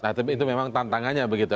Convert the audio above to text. nah itu memang tantangannya begitu